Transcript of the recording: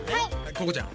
ここちゃん。